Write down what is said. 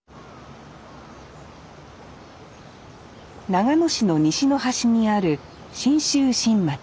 長野市の西の端にある信州新町。